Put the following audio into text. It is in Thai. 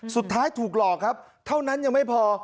สุดท้ายถูกหลอกครับเท่านั้นยังไม่พอ